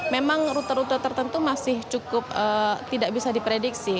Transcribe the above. memang rute rute tertentu masih cukup tidak bisa diprediksi